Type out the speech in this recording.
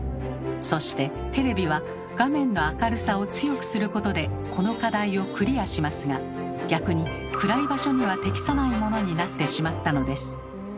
そしてテレビは画面の明るさを強くすることでこの課題をクリアしますが逆に暗い場所には適さないものになってしまったのです。